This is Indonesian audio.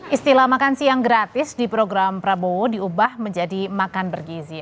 istilah makan siang gratis di program prabowo diubah menjadi makan bergizi